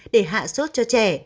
để hạ sốt cho trẻ